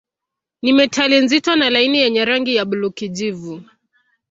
Ni metali nzito na laini yenye rangi ya buluu-kijivu.